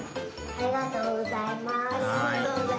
ありがとうございます。